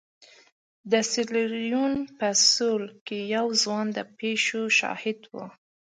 د سیریلیون په سوېل کې یو ځوان د پېښو شاهد و.